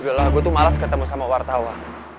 udah lah gue tuh males ketemu sama wartawa